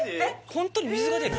ホントに水が出る？